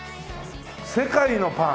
世界のパン。